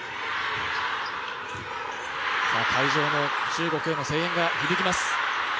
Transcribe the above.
会場も中国への声援が響きます。